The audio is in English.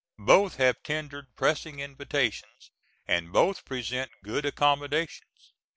Both have tendered pressing invitations, and both present good accommodations.